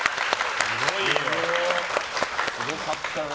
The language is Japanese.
すごかったね。